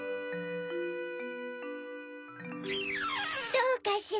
どうかしら？